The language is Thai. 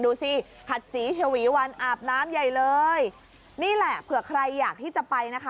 ดูสิหัดสีชวีวันอาบน้ำใหญ่เลยนี่แหละเผื่อใครอยากที่จะไปนะคะ